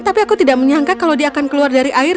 tapi aku tidak menyangka kalau dia akan keluar dari air